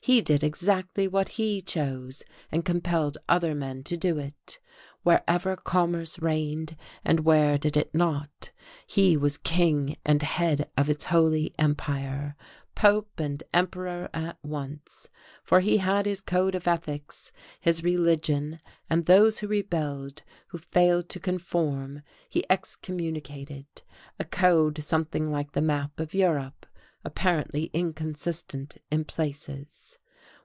He did exactly what he chose, and compelled other men to do it. Wherever commerce reigned, and where did it not? he was king and head of its Holy Empire, Pope and Emperor at once. For he had his code of ethics, his religion, and those who rebelled, who failed to conform, he excommunicated; a code something like the map of Europe, apparently inconsistent in places.